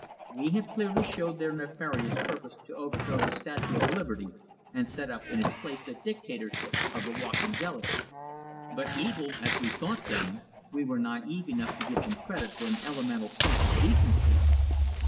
We have clearly showed their nefarious purpose to overthrow the Statue of Liberty and set up in its place the Dictatorship of the Walking Delegate. But, evil as we thought them, we were naive enough to give them credit for an elemental sense of decency.